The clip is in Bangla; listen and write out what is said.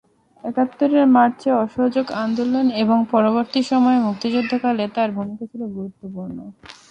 একাত্তরের মার্চে অসহযোগ আন্দোলন এবং পরবর্তী সময়ে মুক্তিযুদ্ধকালে তাঁর ভূমিকা ছিল গুরুত্বপূর্ণ।